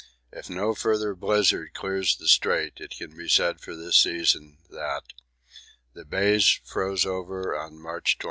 If no further blizzard clears the Strait it can be said for this season that: The Bays froze over on March 25.